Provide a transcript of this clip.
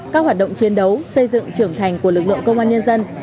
các hoạt động chiến đấu xây dựng trưởng thành của lực lượng công an nhân dân